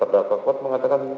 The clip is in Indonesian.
ternyata kuat mengatakan